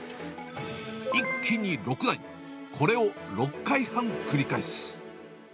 一気に６台、これを６回半繰り返す。